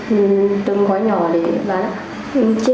khi mua ma túy nghề thì chúng tôi chia ra